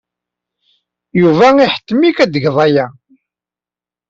Yuba iḥettem-ik ad tged aya.